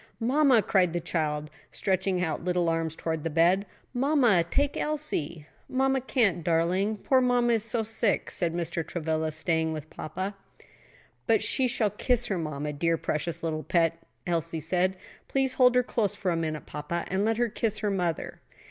"Mamma," cried the child; stretching out her little arms towards the bed, "mamma, take Elsie." "Mamma can't, darling; poor mamma is so sick," said Mr. Travilla; "stay with papa." "But she shall kiss her mamma, dear, precious little pet," Elsie said. "Please hold her close for a minute, papa, and let her kiss her mother."